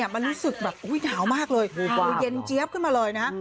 มันรู้สึกแบบอุ๊ยหนาวมากเลยหาตัวเย็นเจี๊ยบขึ้นมาเลยนะ